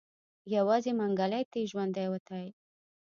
يوازې منګلی تې ژوندی وتی.